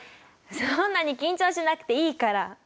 そんなに緊張しなくていいから。